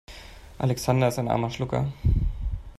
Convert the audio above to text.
Alexander ist ein armer Schlucker.